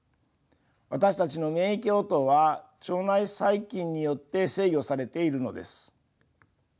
私たちの免疫応答は腸内細菌によって制御されているのです。